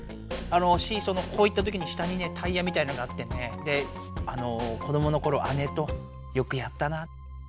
シーソーのこういったときに下にねタイヤみたいのがあってねで子どものころ姉とよくやったな。